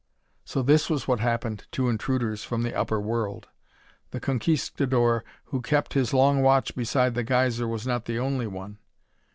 So this was what happened to intruders from the upper world! The Conquistadore who kept his long watch beside the geyser was not the only one!